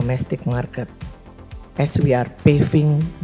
keuntungan keuangan dan keuntungan keuangan